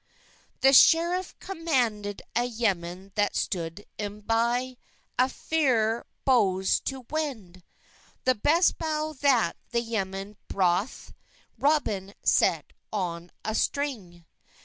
The screffe commandyd a yeman that stod hem bey Affter bowhes to wende; The best bow that the yeman browthe Roben set on a stryng.